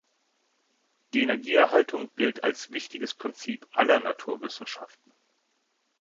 Die Energieerhaltung gilt als wichtiges Prinzip aller Naturwissenschaften.